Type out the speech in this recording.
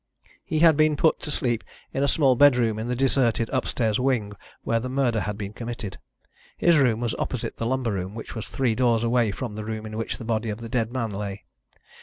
He had been put to sleep in a small bedroom in the deserted upstairs wing where the murder had been committed. His room was opposite the lumber room, which was three doors away from the room in which the body of the dead man lay.